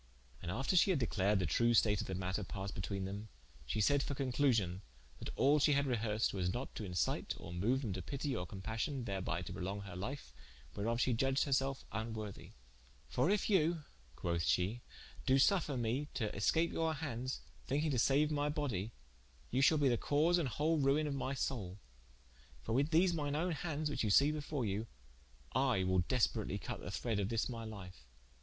And after she had declared the true state of the matter, passed betwene them, shee sayd for conclusion, that all that she had rehersed was not to incite or moue them to pitie or compassion, thereby to prolong her life, whereof shee iudged her self vnworthy: "For if you (quoth she) do suffer me to escape your handes, thinking to saue my body, you shalbe the cause and whole ruine of my soule, for with these mine owne handes, which you see before you, I will desperatly cut of the thred of this my life."